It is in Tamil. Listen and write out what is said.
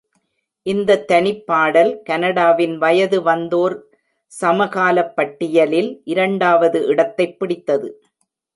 இந்தத் தனிப்பாடல் கனடாவின் வயது வந்தோர் சமகாலப் பட்டியலில் இரண்டாவது இடத்தைப் பிடித்தது.